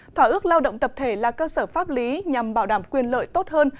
thỏa ước lao động tập thể là cơ sở pháp lý nhằm bảo đảm quyền lợi tốt hơn